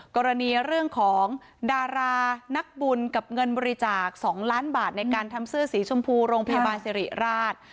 กรณีเรื่องของดารานักบุญกับเงินบริจาค๒ล้านบาทในการทำเสื้อสีชมพูโรงพยาบาลสิริราช